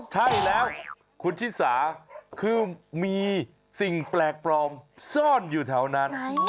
ใช่แล้วคุณชิสาคือมีสิ่งแปลกปลอมซ่อนอยู่แถวนั้น